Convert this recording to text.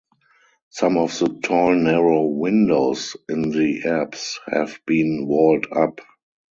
Some of the tall narrow windows in the apse have been walled up.